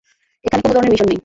এখানে কোনো ধরনের মিশন নেই।